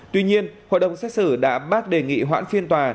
tuy nhiên hội đồng xét xử đã bác đề nghị hoãn phiên tòa